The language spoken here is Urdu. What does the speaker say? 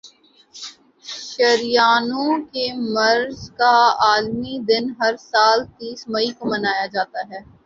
شریانوں کے مرض کا عالمی دن ہر سال تیس مئی کو منایا جاتا ہے